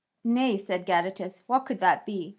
"Nay," said Gadatas, "what could that be?"